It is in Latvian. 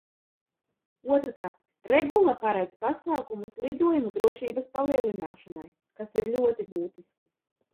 Otrkārt, regula paredz pasākumus lidojumu drošības palielināšanai, kas ir ļoti būtiski.